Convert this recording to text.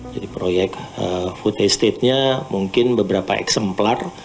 jadi proyek food estate nya mungkin beberapa eksemplar